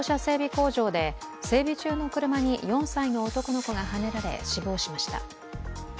工場で整備中の車に４歳の男の子がはねられ死亡しました。